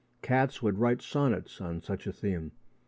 Cats could write sonnets on such a theme....